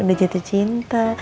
udah jatuh cinta